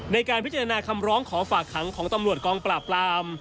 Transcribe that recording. ในการพิจารณาคำร้องขอฝากขังของตำรวจกองปราบปราม